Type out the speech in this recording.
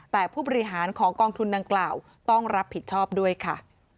แต่ผู้บริหารของกองทุนดังกล่าวต้องรับผิดชอบด้วยค่ะ